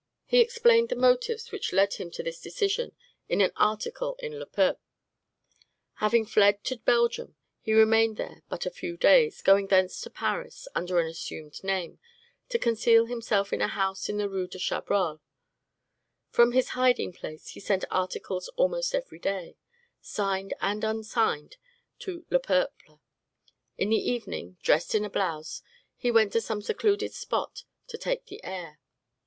He explained the motives which led him to this decision in an article in "Le Peuple." Having fled to Belgium, he remained there but a few days, going thence to Paris, under an assumed name, to conceal himself in a house in the Rue de Chabrol. From his hiding place he sent articles almost every day, signed and unsigned, to "Le Peuple." In the evening, dressed in a blouse, he went to some secluded spot to take the air.